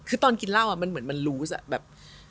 คือตอนกินร่าวมันเหมือนมันรู้สึกอ่ะแบบ